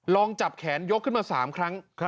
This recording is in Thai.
ลองจับแขนยกขึ้นมา๓ครั้ง